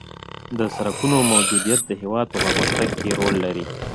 د سرکونو موجودیت د هېواد په پرمختګ کې رول لري